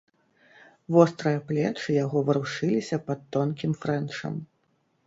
Вострыя плечы яго варушыліся пад тонкім фрэнчам.